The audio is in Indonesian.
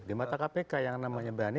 di mata kpk yang namanya berani